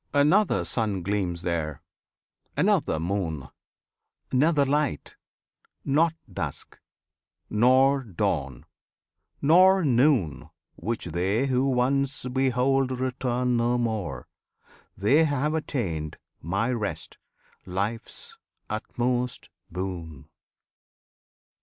Another Sun gleams there! another Moon! Another Light, not Dusk, nor Dawn, nor Noon Which they who once behold return no more; They have attained My rest, life's Utmost boon!